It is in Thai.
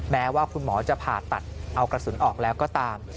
แม้ว่าคุณหมอจะผ่าตัดเอากระสุนออกแล้วก็ตาม